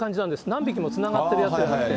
何匹もつながってるやつじゃなくて。